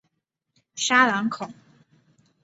沙朗孔。